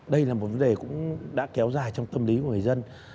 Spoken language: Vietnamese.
đây là một vấn đề cũng đã kéo dài trong tâm lý của người dân